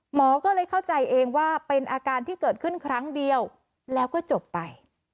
หมอก็เลยเข้าใจเองว่าเป็นอาการที่เกิดขึ้นครั้งเดียวแล้วก็จบไป